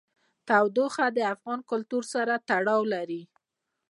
تودوخه د افغان کلتور سره تړاو لري.